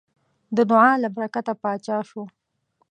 د دعا له برکته پاچا شو.